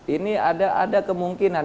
ini ada kemungkinan